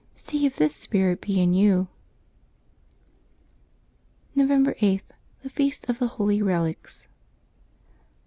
See if this spirit be in you ! November 8.— THE FEAST OF THE HOLY RELICS.